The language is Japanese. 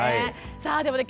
さあでもね